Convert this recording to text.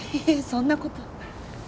そんなこと。